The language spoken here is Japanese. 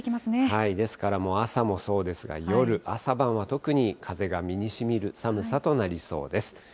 ですからもう、朝もそうですが、夜、朝晩は特に風が身にしみる寒さとなりそうです。